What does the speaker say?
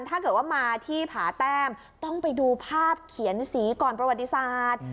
ถ้าเกิดว่ามาที่ผาแต้มต้องไปดูภาพเขียนสีก่อนประวัติศาสตร์